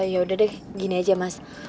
yaudah deh gini aja mas